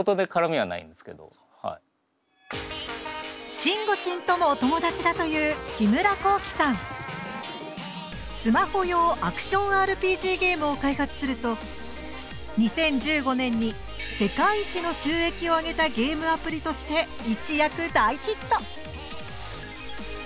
しんごちんともお友達だというスマホ用アクションＲＰＧゲームを開発すると２０１５年に世界一の収益を挙げたゲームアプリとして一躍大ヒット